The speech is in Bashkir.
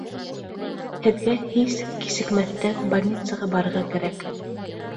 Һеҙгә һис кисекмәҫтән больницаға барырға кәрәк